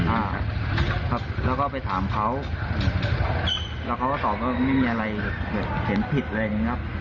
อ่าครับแล้วก็ไปถามเขาแล้วเขาก็ตอบว่าไม่มีอะไรแบบเห็นผิดอะไรอย่างเงี้ย